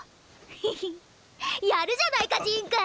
ヒヒッやるじゃないかジーンくん！